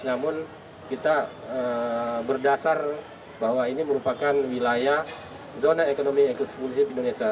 namun kita berdasar bahwa ini merupakan wilayah zona ekonomi eksklusif indonesia